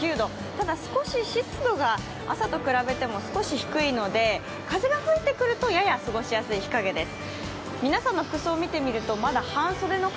ただ少し湿度が朝と比べても少し低いので、風が吹いてくると、やや過ごしやすい日陰です。